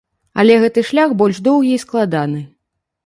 Але гэты шлях больш доўгі і складаны.